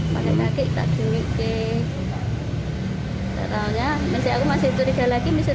pakai kakek tak duit kek